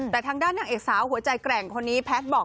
แต่ทางด้านหนังเอกสาวหัวใจแกร่งคนนี้